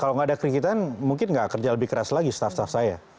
kalau nggak ada kritikan mungkin nggak kerja lebih keras lagi staff staff saya